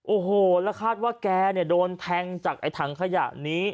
โอ้โหแล้วคาดว่าแกโดนแทงจากไอ้ถังขยะนี้